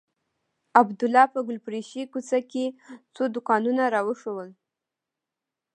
عبدالله په ګلفروشۍ کوڅه کښې څو دوکانونه راوښوول.